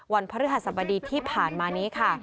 วันพระภาษฎรมดีที่ผ่านมานี้ค่ะ